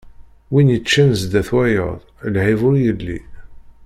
Win yeččan zdat wayeḍ, lɛib ur yelli.